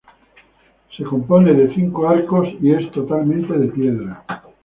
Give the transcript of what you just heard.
Se compone de cinco arcos y es totalmente de piedra.